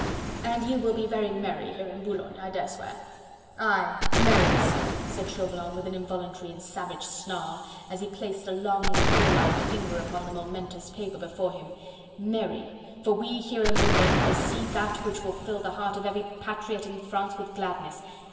"And you will be very merry here in Boulogne, I dare swear..." "Aye, merry, sir," said Chauvelin with an involuntary and savage snarl, as he placed a long claw like finger upon the momentous paper before him, "merry, for we here in Boulogne will see that which will fill the heart of every patriot in France with gladness....